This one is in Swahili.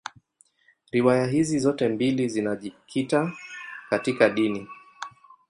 Riwaya hizi zote mbili zinajikita katika dini.